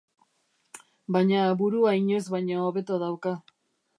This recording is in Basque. Baina burua inoiz baino hobeto dauka.